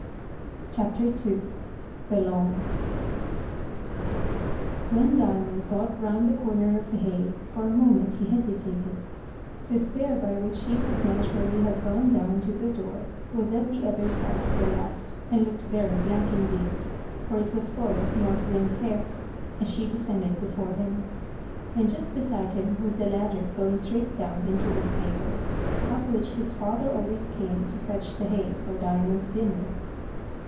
CHAPTER II. THE LAWN WHEN Diamond got round the corner of the hay, for a moment he hesitated. The stair by which he would naturally have gone down to the door was at the other side of the loft, and looked very black indeed; for it was full of North Wind's hair, as she descended before him. And just beside him was the ladder going straight down into the stable, up which his father always came to fetch the hay for Diamond's dinner.